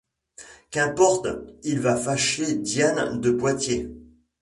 Qu’importe: Il va fâcher Diane de Poitiers.